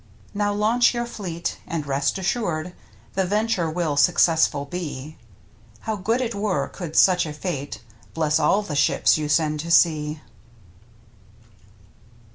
Now launch your fleet, and rest assured The venture will successful be. How good it were could such a fate L Bless all the ships you send to sea!